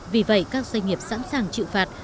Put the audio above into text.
vì vậy các doanh nghiệp sẵn sàng chịu phạt